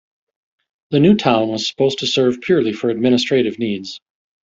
The new town was supposed to serve purely for administrative needs.